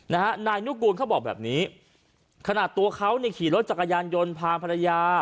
นายนุกูลเขาบอกแบบนี้ขนาดตัวเขาเนี่ยขี่รถจักรยานยนต์พาภรรยา